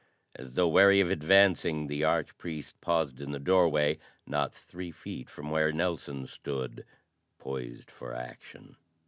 As though wary of advancing, the arch priest paused in the doorway, not three feet from where Nelson stood poised for action.